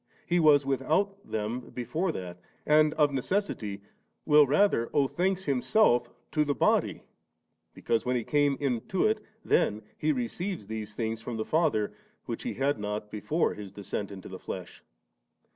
He was without them before that, and of necessity will rather owe thanks Himself to the bodyS because, when He came into it, then He receives these things from the Father, which He had not before His descent into the flesh.